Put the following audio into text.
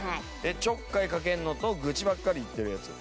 ちょっかいかけるのと愚痴ばっかり言ってるヤツ。